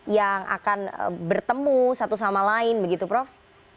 yang akan bertemu satu sama lain begitu prof